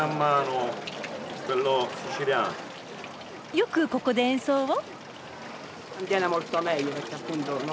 よくここで演奏を？